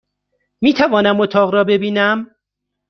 میتوانم اتاق را ببینم؟